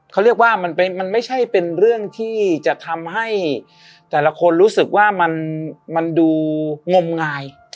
เขาเรียกว่ามันไม่ใช่เป็นเรื่องที่จะทำให้แต่ละคนรู้สึกว่ามันดูงมงาย